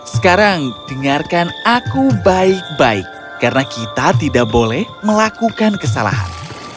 sekarang dengarkan aku baik baik karena kita tidak boleh melakukan kesalahan